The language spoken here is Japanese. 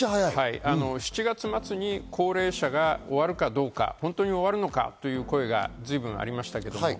７月末に高齢者が終わるかどうか、本当に終わるのかという声がありました。